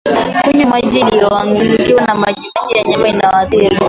Kunywa maji yaliyoingiwa na majimaji ya wanyama walioathirika